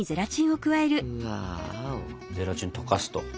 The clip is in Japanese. ゼラチン溶かすと。